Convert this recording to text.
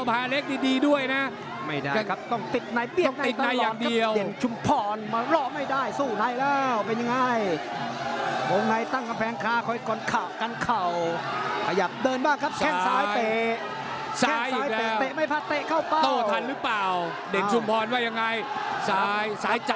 ปั้มตีด้วยเขาซ้ายโต้คืนตีด้วยเขาซ้าย